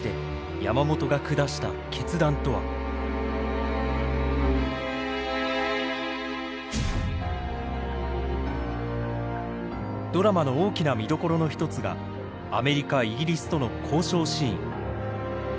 果たしてドラマの大きな見どころの一つがアメリカイギリスとの交渉シーン。